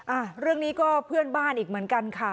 อ่ะเรื่องนี้ก็เพื่อนบ้านอีกเหมือนกันค่ะ